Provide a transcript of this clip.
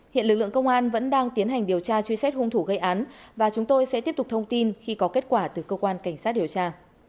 hiện lực lượng công an vẫn đang tiến hành điều tra truy xét hung thủ gây án và chúng tôi sẽ tiếp tục thông tin khi có kết quả từ cơ quan cảnh sát điều tra